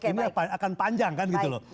ini akan panjang kan gitu loh